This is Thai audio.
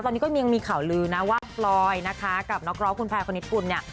ตอนนี้ก็ยังมีข่าวลือนะว่าปลอยนะคะกับน้องกร้อมคุณพลายขนิดกว่าเนี้ย